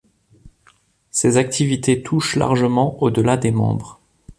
Ces activités touchent largement au-delà des membres.